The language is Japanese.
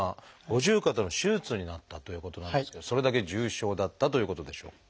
五十肩の手術になったということなんですけどそれだけ重症だったということでしょうか？